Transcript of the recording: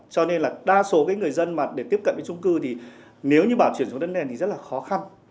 cho nên là đa số người dân mà để tiếp cận với trung cư thì nếu như bảo chuyển xuống đất nền thì rất là khó khăn